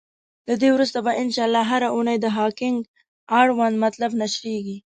له دی وروسته به ان شاءالله هره اونۍ د هکینګ اړوند مطالب نشریږی.